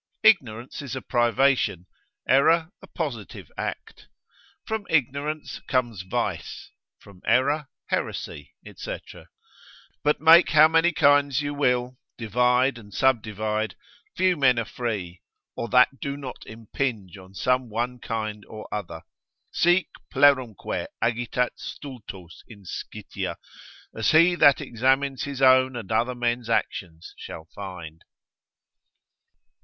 Ignorance is a privation, error a positive act. From ignorance comes vice, from error heresy, &c. But make how many kinds you will, divide and subdivide, few men are free, or that do not impinge on some one kind or other. Sic plerumque agitat stultos inscitia, as he that examines his own and other men's actions shall find.